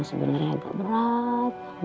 sebenernya agak berat